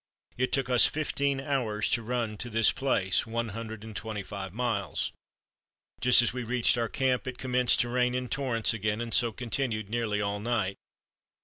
It took us fifteen hours to run to this place, one hundred and twenty five miles. Just as we reached our camp it commenced to rain in torrents again and so continued nearly all night.